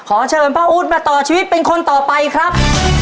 ขอเชิญป้าอุ๊ดมาต่อชีวิตเป็นคนต่อไปครับ